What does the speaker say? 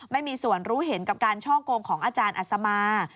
ไม่มีส่วนรู้เห็นกับการช่อกงของอาจารย์อัศมา